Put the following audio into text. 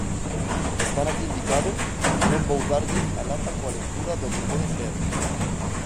Están aquí indicados, non vou darlles a lata coa lectura do que poden ler.